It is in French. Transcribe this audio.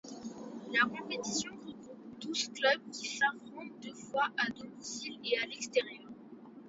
La compétition regroupe douze clubs, qui s'affrontent deux fois, à domicile et à l'extérieur.